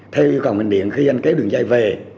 theo cộng hình điện khi anh kéo đường dây về